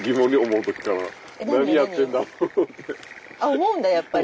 思うんだやっぱり。